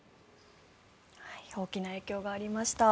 大きな影響がありました。